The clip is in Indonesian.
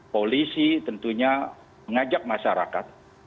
polisi tentunya mengajak masyarakat